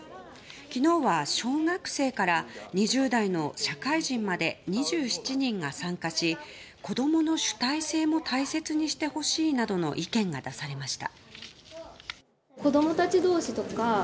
昨日は小学生から２０代の社会人まで２７人が参加し子供の主体性も大切にしてほしいなどの意見が出されました。